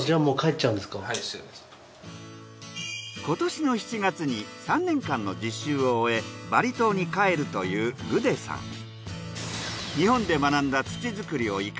今年の７月に３年間の実習を終えバリ島に帰るというグデさん。